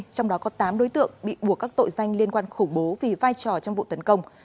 trong đó có tám đối tượng bị buộc các tội danh liên quan khủng bố vì vai trò trong vụ tấn công